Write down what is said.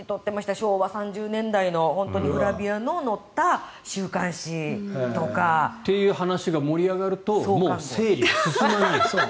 昭和３０年代のグラビアの載った週刊誌とか。っていう話が盛り上がるともう整理が進まない。